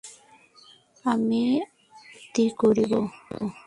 আমি আপত্তি করিব!